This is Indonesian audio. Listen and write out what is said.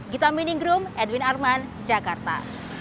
gita meninggrum edwin arman jakarta